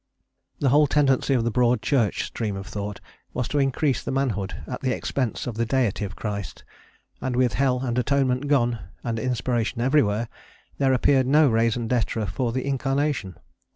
The whole tendency of the Broad Church stream of thought was to increase the manhood at the expense of the deity of Christ; and with hell and atonement gone, and inspiration everywhere, there appeared no raison d'etre for the Incarnation.